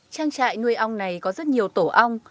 trang trại nuôi ong này có rất nhiều tổ ong